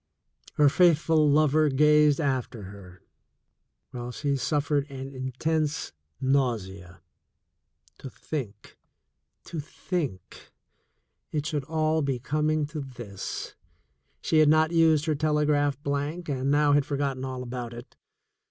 Her faithful lover gazed after her, while she suf fered an intense nausea. To think — to think — it should all be coming to this! She had not used her telegraph blank, and now had forgotten all about it.